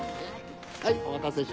はいお待たせしました。